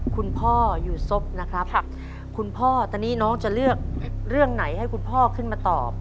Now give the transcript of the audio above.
คุณพ่ออยู่ศพนะครับคุณพ่อตอนนี้น้องจะเลือกเรื่องไหนให้คุณพ่อขึ้นมาตอบ